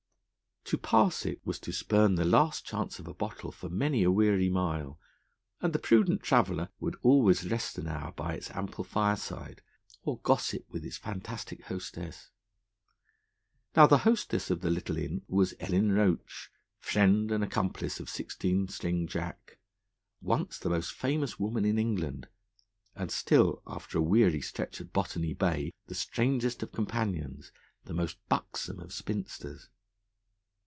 To pass it was to spurn the last chance of a bottle for many a weary mile, and the prudent traveller would always rest an hour by its ample fireside, or gossip with its fantastic hostess. Now, the hostess of the little inn was Ellen Roach, friend and accomplice of Sixteen String Jack, once the most famous woman in England, and still after a weary stretch at Botany Bay the strangest of companions, the most buxom of spinsters.